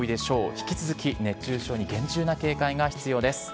引き続き熱中症に厳重な警戒が必要です。